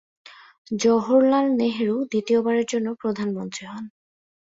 জওহরলাল নেহেরু দ্বিতীয়বারের জন্য প্রধানমন্ত্রী হন।